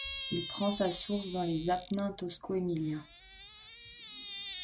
Il prend sa source dans les Apennins tosco-émiliens.